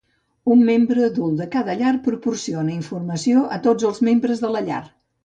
Un membre adult de cada llar proporciona informació per a tots els membres de la llar.